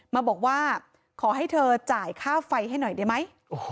มาบอกว่าขอให้เธอจ่ายค่าไฟให้หน่อยได้ไหม